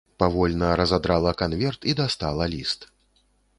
Павольна разадрала канверт і дастала ліст.